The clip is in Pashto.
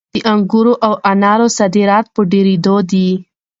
د انګورو او انارو صادرات په ډېرېدو دي.